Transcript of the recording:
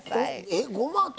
えごまと。